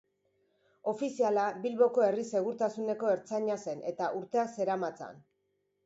Ofiziala Bilboko herri-segurtasuneko ertzaina zen, eta urteak zeramatzan.